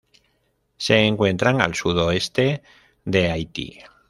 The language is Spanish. Se encuentran al sudoeste de Haití.